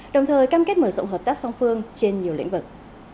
đồng thời cam kết mở rộng hợp tác song phương trên nhiều lĩnh vực